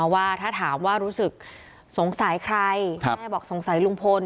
ว่าถ้าถามว่ารู้สึกสงสัยใครแม่บอกสงสัยลุงพล